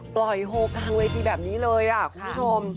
ปล่อยโฮกทางเวทีแบบนี้เลยอ่ะคุณผู้ชม